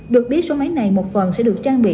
được biết số máy này một phần sẽ được trang bị